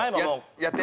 やって。